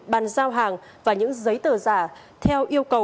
bàn giao hàng và những giấy tờ giả theo yêu cầu